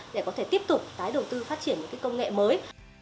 để có thể tiếp tục tái đầu tư phát triển những công nghệ mới